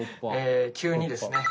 急にですね